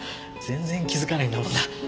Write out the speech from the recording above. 全然気づかないんだもんな。